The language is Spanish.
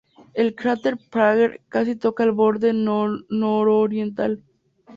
El cráter Prager casi toca el borde nororiental.